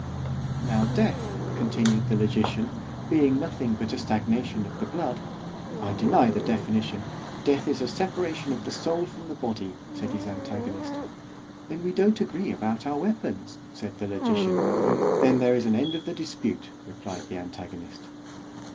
——Now death, continued the logician, being nothing but the stagnation of the blood—— I deny the definition——Death is the separation of the soul from the body, said his antagonist——Then we don't agree about our weapons, said the logician—Then there is an end of the dispute, replied the antagonist.